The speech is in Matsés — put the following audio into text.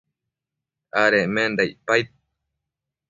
adecmenda icpaid